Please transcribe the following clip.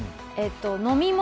飲み物？